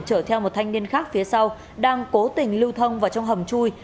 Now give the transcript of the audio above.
chở theo một thanh niên khác phía sau đang cố tình lưu thông vào trong hầm chui